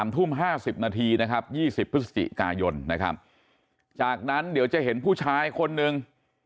ทุ่ม๕๐นาทีนะครับ๒๐พฤศจิกายนนะครับจากนั้นเดี๋ยวจะเห็นผู้ชายคนนึง